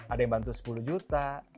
ada yang bantu sepuluh juta